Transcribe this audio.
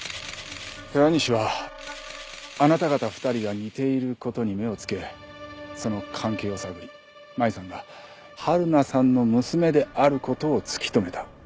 寺西はあなた方２人が似ている事に目をつけその関係を探り麻衣さんが春菜さんの娘である事を突き止めた。